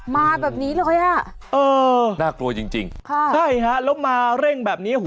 มาแบบนี้เลยอ่ะเออน่ากลัวจริงจริงค่ะใช่ฮะแล้วมาเร่งแบบนี้